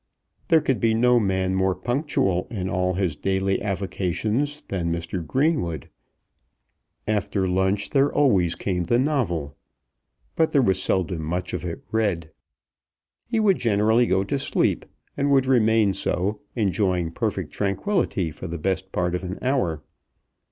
There could be no man more punctual in all his daily avocations than Mr. Greenwood. After lunch there always came the novel; but there was seldom much of it read. He would generally go to sleep, and would remain so, enjoying perfect tranquillity for the best part of an hour.